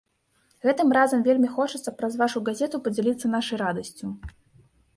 Гэтым разам вельмі хочацца праз вашу газету падзяліцца нашай радасцю.